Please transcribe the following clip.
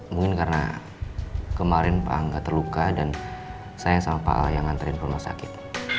mungkin karena kemarin pak angga terluka dan saya sama pak yang nganterin ke rumah sakit